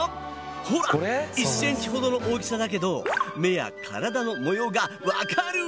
ほら１センチほどの大きさだけど目や体の模様がわかる！